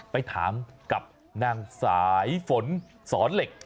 ไปถามกับนางสายฝนสอนเหล็ก